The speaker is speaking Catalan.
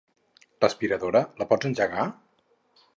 L'aspiradora, la pots engegar?